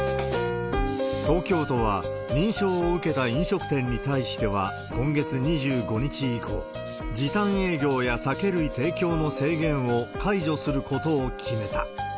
東京都は、認証を受けた飲食店に対しては今月２５日以降、時短営業や酒類提供の制限を解除することを決めた。